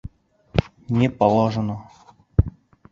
— Не положено.